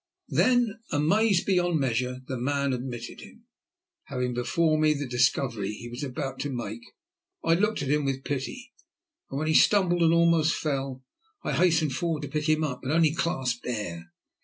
Then, amazed beyond measure, the man admitted him. Having before me the discovery he was about to make, I looked at him with pity, and when he stumbled and almost fell, I hastened forward to pick him up, but only clasped air.